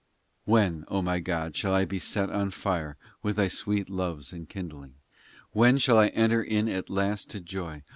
XI When, O my God, shall I be set on fire With Thy sweet love s enkindling ? When shall I enter in at last to joy